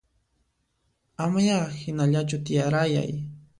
Amaya hinallachu tiyarayay